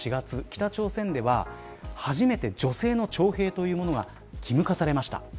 北朝鮮では初めて女性の徴兵というものが義務化されました。